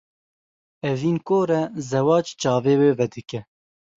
Evîn kor e zewac çavê wê vedike.